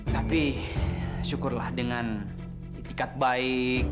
tapi syukurlah dengan itikat baik